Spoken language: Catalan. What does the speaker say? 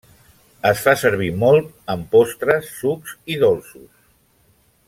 Es fa servir molt en postres, sucs i dolços.